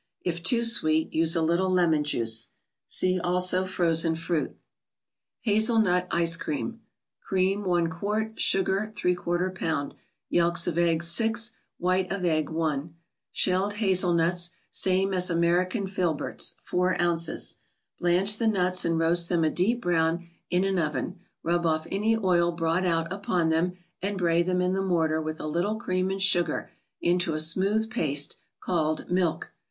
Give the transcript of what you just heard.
If too sweet, use a little lemon juice. (See also Frozen Fruit.) fa?elnut 3Ice*Cteam. Cream, 1 qt.; Sugar, # lb.; Yelks of eggs, 6; White of egg, 1; Shelled Hazelnuts (same as American Filberts), 4 oz. ICE CREAMS. 29 Blanch the nuts and roast them a deep brown in an oven, rub off any oil brought out upon them, and bray them in the mortar with a little cream and sugar into a smooth paste, called " Milk."